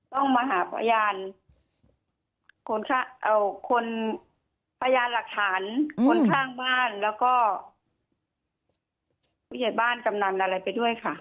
ต้องมาหาพยานคนเอาคนพยานหลักฐานคนข้างบ้านแล้วก็ผู้ใหญ่บ้านกำนันอะไรไปด้วยค่ะ